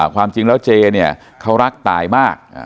ความจริงแล้วเจเนี่ยเขารักตายมาก